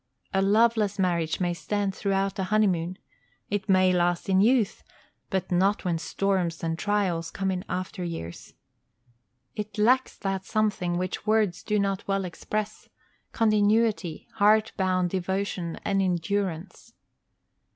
A loveless marriage may stand throughout a honeymoon. It may last in youth, but not when storms and trials come in after years. It lacks that something which words do not well express, continuity, heart bound devotion, and endurance.